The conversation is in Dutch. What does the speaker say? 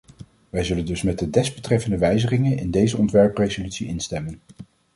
Wij zullen dus met de desbetreffende wijzigingen in deze ontwerpresolutie instemmen.